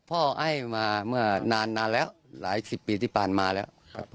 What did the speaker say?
ให้มาเมื่อนานแล้วหลายสิบปีที่ผ่านมาแล้ว